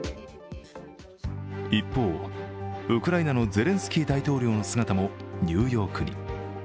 一方、ウクライナのゼレンスキー大統領の姿もニューヨークに。